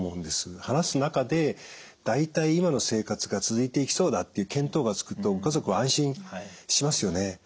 話す中で大体今の生活が続いていきそうだっていう検討がつくと家族は安心しますよね。